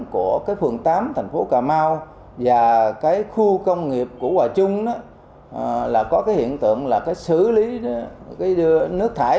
của phường tám thành phố cà mau và khu công nghiệp của hòa trung là có hiện tượng là xử lý nước thải